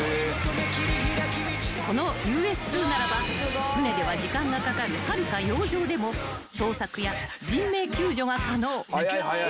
［このＵＳ−２ならば船では時間がかかるはるか洋上でも捜索や人命救助が可能］